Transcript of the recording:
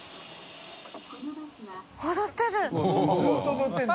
踊ってる。